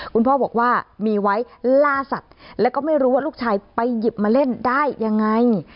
คุณพ่อบอกว่ามีไว้ล่าสัตว์แล้วก็ไม่รู้ว่าลูกชายไปหยิบมาเล่นได้ยังไง